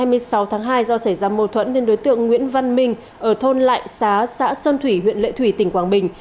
do xảy ra mâu thuẫn nên đối tượng nguyễn văn minh ở thôn lại xá xã sơn thủy huyện lệ thủy tỉnh quảng bình